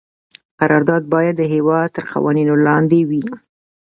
قرارداد باید د هیواد تر قوانینو لاندې وي.